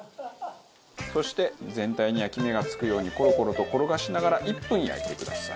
そして全体に焼き目が付くようにコロコロと転がしながら１分焼いてください。